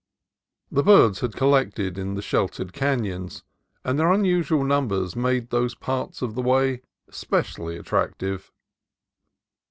The birds had collected in the sheltered canons, and their unusual numbers made those parts of the way specially attractive.